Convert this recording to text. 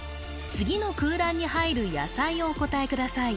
次の空欄に入る野菜をお答えください